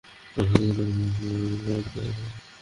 একজন জোরে বলে ওঠে, মুহাম্মাদও এসেছে।